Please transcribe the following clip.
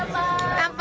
乾杯！